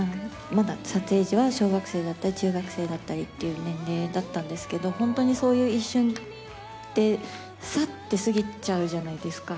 まだ撮影時は小学生だったり、中学生だったりっていう年齢だったんですけど、本当にそういう一瞬って、さって過ぎちゃうじゃないですか。